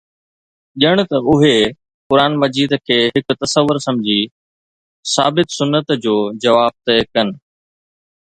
ڄڻ ته اهي قرآن مجيد کي هڪ تصور سمجهي، ثابت سنت جو جواب طئي ڪن.